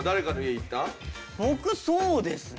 僕そうですね。